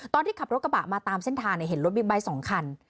ขับรถกระบะมาตามเส้นทางเห็นรถบิ๊กไบท์๒คัน